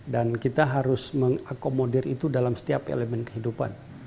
dan kita harus mengakomodir itu dalam setiap elemen kehidupan